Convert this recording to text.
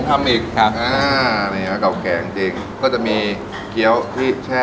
กลับมาสืบสาวเราเส้นที่ย่านบังคุณนอนเก็นต่อค่ะจะอร่อยเด็ดแค่ไหนให้เฮียเขาไปพิสูจน์กัน